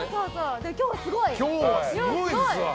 今日はすごい。